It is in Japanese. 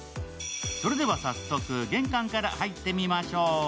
それでは早速、玄関から入ってみましょう。